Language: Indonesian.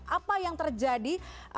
apa yang terjadi